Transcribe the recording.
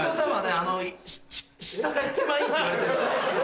あのし下が一番いいっていわれてるから。